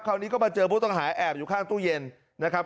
คราวนี้ก็มาเจอผู้ต้องหาแอบอยู่ข้างตู้เย็นนะครับ